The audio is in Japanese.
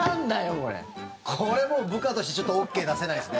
これ、もう部下としてＯＫ出せないですね。